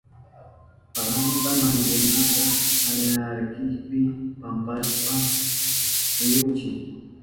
Palanta mallkikunata allarishkapi pampashpa rihunchi.